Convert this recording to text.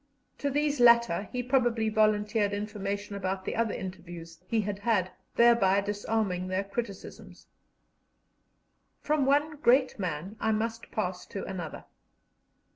To these latter he probably volunteered information about the other interviews he had had, thereby disarming their criticisms. From one great man I must pass to another.